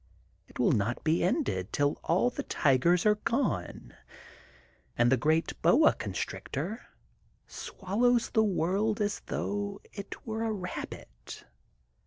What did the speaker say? It will not be ended till all the tigers are gone and the Great Boa Constrictor swallows the world as though it were a rabbit.